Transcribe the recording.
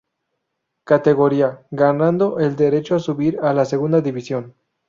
Categoría, ganando el derecho a subir a la Segunda División.